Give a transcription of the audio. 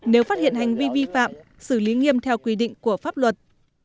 nếu phát hiện hành vi vi phạm xử lý nghiêm theo quy định của pháp luật